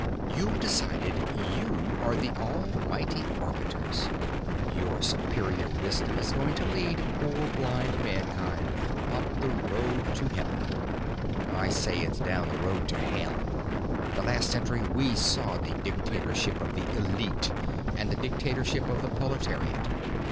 "You've decided you are the almighty arbiters. Your superior wisdom is going to lead poor blind mankind up the road to heaven. I say it's down the road to hell! The last century saw the dictatorship of the elite and the dictatorship of the proletariat.